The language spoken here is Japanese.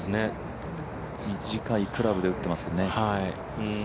短いクラブで打ってますからね。